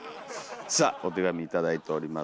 さあお手紙頂いております。